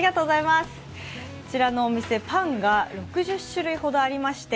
こちらのお店、パンが６０種類ほどありまして